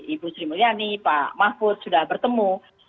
ibu sri mulyani pak mahfud sudah bertemu